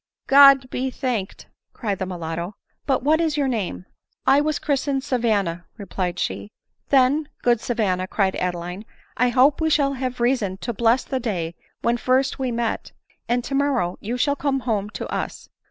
" God be thanked !" cried the mulatto. " But what is your name ?"" I was christened Savanna," replied she. " Then, good Savanna," cried Adeline, " I hope we shall both have reason to bless the day when first we met ; and tomorrow you shall come home to us."